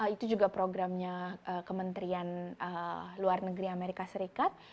itu juga programnya kementerian luar negeri amerika serikat